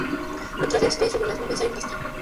Detrás de este y sobre las nubes, hay un castillo.